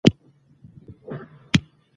زما ورته سودا شوه او له یوسف نه مې وپوښتل.